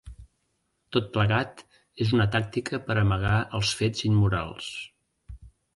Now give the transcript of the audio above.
Tot plegat és una tàctica per a amagar els fets immorals.